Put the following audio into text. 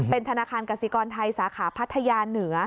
๐๑๙๓๖๙๘๗๙๔เป็นธนาคารกสิกรไทยสาขาพัทยาเหนือ